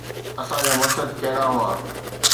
اسان جا مقصد ڪهڙا هئا؟